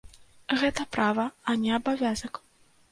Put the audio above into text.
Гэта права, а не абавязак.